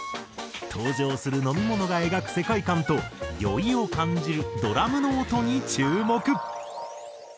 登場する飲み物が描く世界観と酔いを感じるドラムの音に注目。